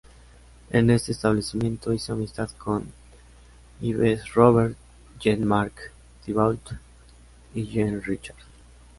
En este establecimiento hizo amistad con Yves Robert, Jean-Marc Thibault y Jean Richard.